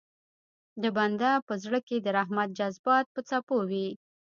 د بنده په زړه کې د رحمت جذبات په څپو وي.